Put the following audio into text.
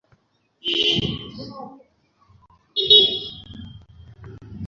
তবে এতটুকু মনে করি, আগের চেয়ে এখন আমার পরিকল্পনাগুলো ভালো হচ্ছে।